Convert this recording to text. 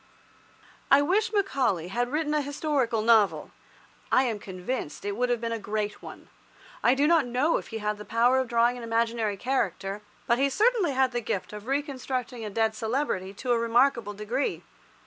I wish Macaulay had written a historical novel. I am convinced that it would have been a great one. I do not know if he had the power of drawing an imaginary character, but he certainly had the gift of reconstructing a dead celebrity to a remarkable degree.